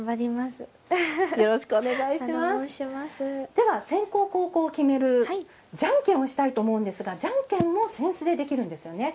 では、先攻後攻を決めるじゃんけんをしたいと思うんですが、じゃんけんも扇子でできるんですよね。